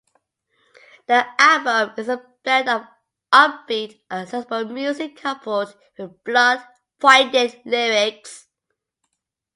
The album is a blend of upbeat, accessible music coupled with blunt, poignant lyrics.